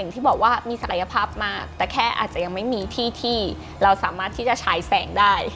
ที่บอกว่ามีศักยภาพมากแต่แค่อาจจะยังไม่มีที่ที่เราสามารถที่จะฉายแสงได้